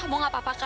kamu gak apa apakan